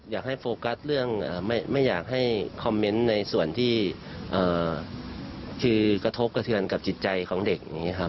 อยากให้โฟกัสเรื่องไม่อยากให้คอมเมนต์ในส่วนที่คือกระทบกระเทือนกับจิตใจของเด็กอย่างนี้ครับ